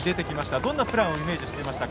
どんなプランをイメージしましたか。